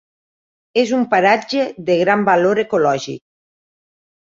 És un paratge de gran valor ecològic.